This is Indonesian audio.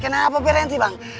kenapa berhenti bang